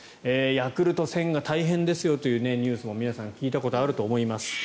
ヤクルト１０００が大変ですよというニュースも皆さん聞いたことあると思います。